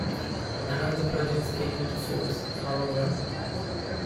None of the projects came into force, however.